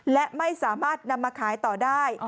และไม่สามารถนำมาขายต่อได้